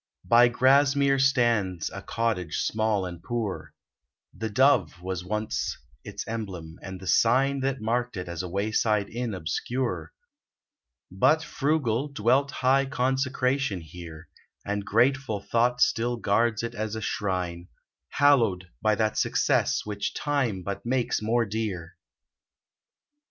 By Grasmere stands a cottage small and poor : The Dove was once its emblem, and the sign That marked it as a wayside inn obscure ; ii8 "BREATHLESS WE STRIVE But, frugal, dwelt high consecration here, And grateful thought still guards it as a shrine, Hallowed by that success which time but makes more dear